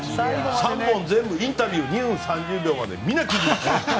３本全部、インタビューまで２分３０秒まで見なきゃと。